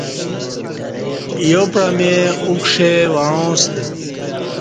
یوپعمی اُکݜے وعاں ستہ